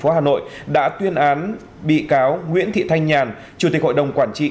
hội đồng xét xử tuyên phạt bị cáo nguyễn thị thanh nhàn chủ tịch hội đồng quản trị